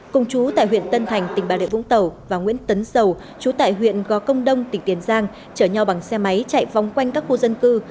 công chú tại huyện tân thành tỉnh bà rịa vũng tàu và nguyễn tấn sầu chú tại huyện go công đông tỉnh tiền giang chở nhau bằng xe máy chạy vòng quanh các khu dân cư